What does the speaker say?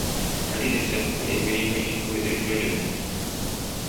Maliriza okukola emirimu egikuweereddwa gyonna.